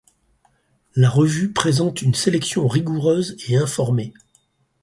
La revue présente une sélection rigoureuse et informée.